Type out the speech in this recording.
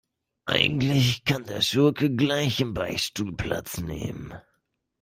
Eigentlich kann der Schurke gleich im Beichtstuhl Platz nehmen.